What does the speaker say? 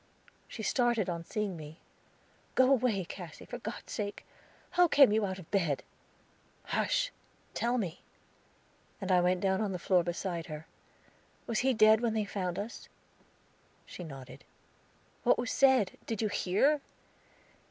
She started on seeing me. "Go away, Cassy, for God's sake! How came you out of bed?" "Hush! Tell me!" And I went down on the floor beside her. "Was he dead when they found us?" She nodded. "What was said? Did you hear?"